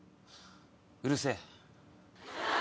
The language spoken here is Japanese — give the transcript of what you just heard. うるせぇ。